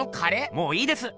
もういいです！